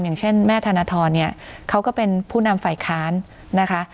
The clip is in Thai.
อย่างเช่นแม่ธนทรเนี่ยเขาก็เป็นผู้นำฝ่ายค้านนะคะ